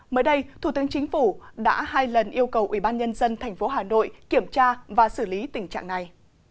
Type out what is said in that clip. mới đây thủ tướng chính phủ đã hai lần yêu cầu ubnd tp hà nội kiểm tra và xử lý tình trạng này